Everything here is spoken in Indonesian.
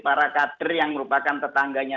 para kader yang merupakan tetangganya